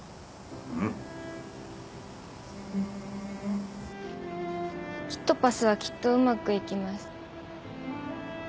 うんキットパスはきっとうまくいきます。